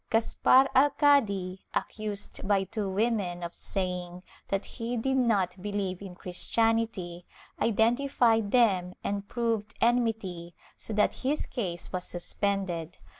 Gaspar Alcadi, accused by two women of saying that he did not believe in Chris tianity, identified them and proved enmity, so that his case was suspended.